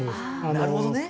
なるほどね。